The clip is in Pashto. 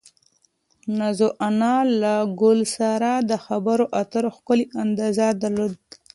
نازو انا له ګل سره د خبرو اترو ښکلی انداز درلود.